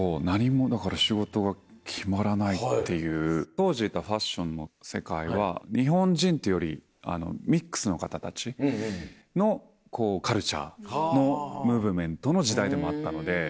当時のファッションの世界は日本人というよりミックスの方たちのカルチャーのムーブメントの時代でもあったので。